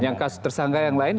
yang kasus tersangka yang lain